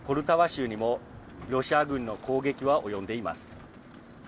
州にもロシア軍の攻撃は及んでいます。